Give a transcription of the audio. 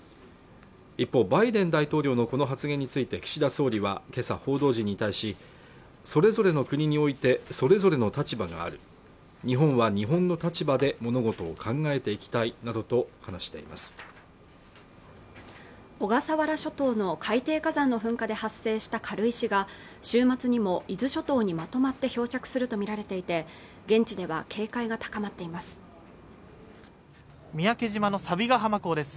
一方バイデン大統領のこの発言について岸田総理は今朝報道陣に対しそれぞれの国においてそれぞれの立場がある日本は日本の立場で物事を考えていきたいなどと話しています小笠原諸島の海底火山の噴火で発生した軽石が週末にも伊豆諸島にまとまって漂着すると見られていて現地では警戒が高まっています三宅島の錆ヶ浜港です